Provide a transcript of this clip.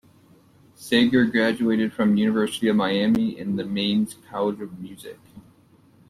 Zager graduated from University of Miami and the Mannes College of Music.